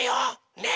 ねえ。